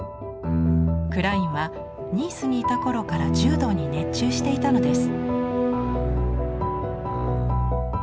クラインはニースにいた頃から柔道に熱中していたのです。